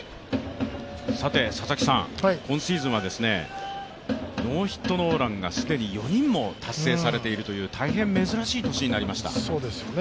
今シーズンはノーヒットノーランが既に４人も達成されているという大変珍しい年になりました。